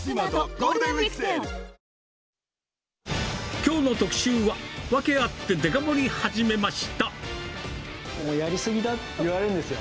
きょうの特集は、もうやり過ぎだって言われるんですよ。